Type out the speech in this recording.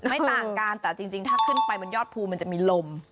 ไม่ต่างกันแต่จริงถ้าขึ้นไปบนยอดภูมันจะมีลม